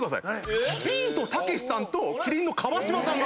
ビートたけしさんと麒麟の川島さんが。